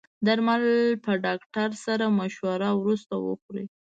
درمل په ډاکټر سره مشوره وروسته وخورئ.